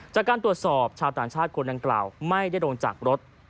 จากการตรวจสอบชาวต่างชาติคนดังกล่าวไม่ได้ลงจากรถ